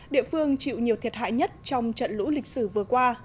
địa phương chịu nhiều thiệt hại nhất trong trận lũ lịch sử vừa qua